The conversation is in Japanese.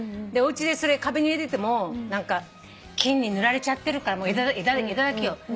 でおうちでそれ花瓶に入れてても何か金に塗られちゃってるから枝だけよ。